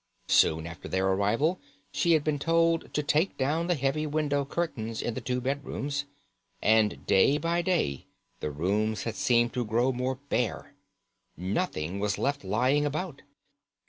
Soon after their arrival she had been told to take down the heavy window curtains in the two bedrooms, and day by day the rooms had seemed to grow more bare. Nothing was left lying about.